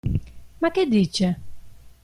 Ma che dice?